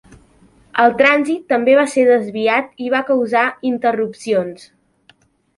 El trànsit també va ser desviat i va causar interrupcions.